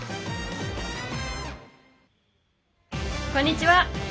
こんにちは。